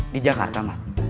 di jakarta ma